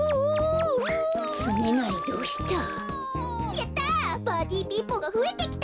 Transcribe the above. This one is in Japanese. やった！